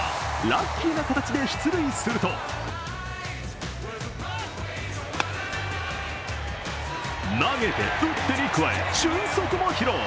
ラッキーな形で出塁すると投げて、打ってに加え俊足も披露。